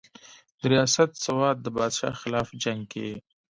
درياست سوات د بادشاه خلاف جنګ کښې